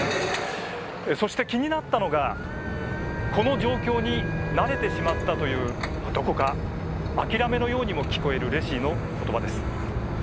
そして気になったのがこの状況に慣れてしまったというどこか諦めのようにも聞こえるレシィの言葉です。